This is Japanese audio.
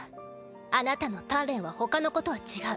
あなたの鍛錬はほかの子とは違う。